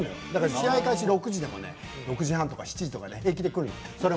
試合開始が６時でも６時半とか７時とか平気で来るの。